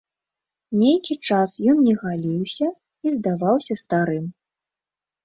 Нейкі час ён не галіўся і здаваўся старым.